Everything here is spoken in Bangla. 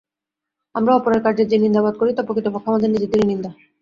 আমরা অপরের কার্যের যে নিন্দাবাদ করি, তা প্রকৃতপক্ষে আমাদের নিজেদেরই নিন্দা।